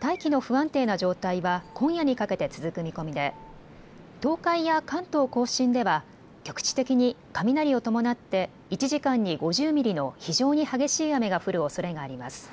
大気の不安定な状態は今夜にかけて続く見込みで東海や関東甲信では局地的に雷を伴って１時間に５０ミリの非常に激しい雨が降るおそれがあります。